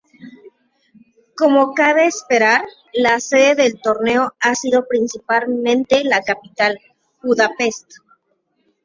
Como cabe esperar, la sede del torneo ha sido principalmente la capital, Budapest.